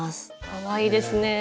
かわいいですね。